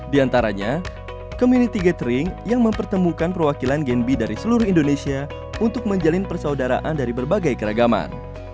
di antaranya community gathering yang mempertemukan perwakilan genby dari seluruh indonesia untuk menjalin persaudaraan dari berbagai keragaman